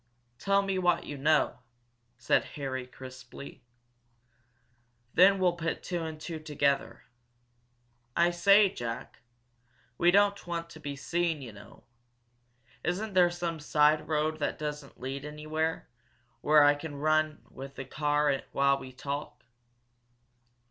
"Tell me what you know," said Harry, crisply. "Then we'll put two and two together. I say, Jack, we don't want to be seen, you know. Isn't there some side road that doesn't lead anywhere, where I can run in with the car while we talk?"